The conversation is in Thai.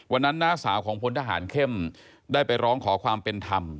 น้าสาวของพลทหารเข้มได้ไปร้องขอความเป็นธรรม